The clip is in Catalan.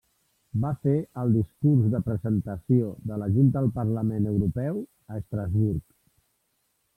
Va fer el discurs de presentació de la Junta al Parlament Europeu a Estrasburg.